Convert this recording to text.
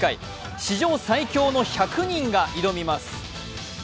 史上最強の１００人が挑みます。